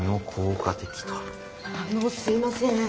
あのすいません。